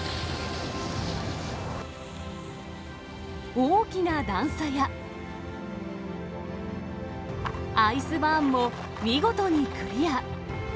大きな段差や、アイスバーンも見事にクリア。